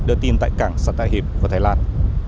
đưa tin tại cảng sàn tài hiệp và thái lan